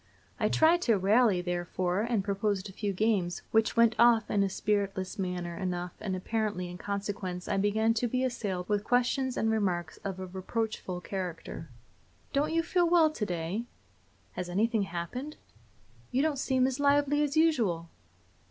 I tried to rally, therefore, and proposed a few games, which went off in a spiritless manner enough, and apparently in consequence I began to be assailed with questions and remarks of a reproachful character. "Don't you feel well to day?" "Has anything happened?" "You don't seem as lively as usual!"